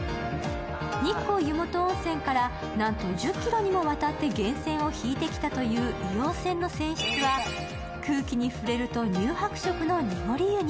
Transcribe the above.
日光湯本温泉から、なんと１０ｋｍにもわたって源泉を引いてきたという硫黄泉の泉質は空気に触れると乳白色の濁り湯に。